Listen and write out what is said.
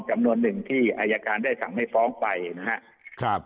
จำนวนหนึ่งที่อายการได้สั่งให้ฟ้องไปนะครับ